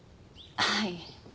はい。